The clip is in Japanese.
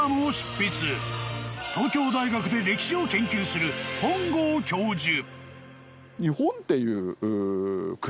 ［東京大学で歴史を研究する本郷教授］